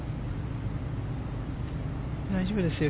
大丈夫ですよ。